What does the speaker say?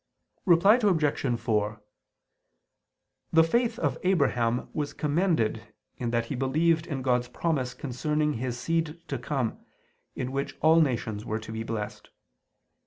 Reply Obj. 4: The faith of Abraham was commended in that he believed in God's promise concerning his seed to come, in which all nations were to blessed.